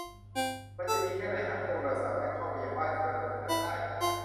มันจะดีแค่ไหนหากพวกเราสามารถเข้าไปยังบ้านกระจก นั้นได้ !